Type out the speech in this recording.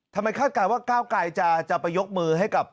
ทำไมคาดการณ์ว่าก้าวไกลเจอจะไปยกมือให้กับ